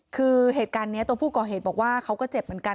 คือเหตุการณ์นี้ตัวผู้ก่อเหตุบอกว่าเขาก็เจ็บเหมือนกัน